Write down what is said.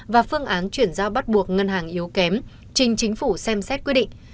và phương án chuyển giao bắt buộc ngân hàng yếu kém trình chính phủ xem xét quyết định